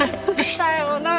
さようなら。